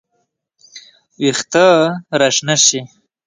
وېښته راشنه شي